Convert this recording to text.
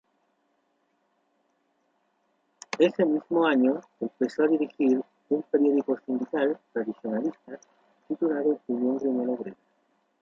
Ese mismo año empezó a dirigir un periódico sindical tradicionalista titulado "Unión Gremial Obrera".